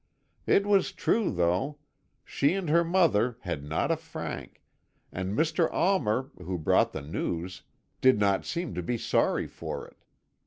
It was true, though; she and her mother had not a franc, and Mr. Almer, who brought the news, did not seem to be sorry for it.